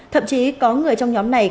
thậm chí có người trong nhóm này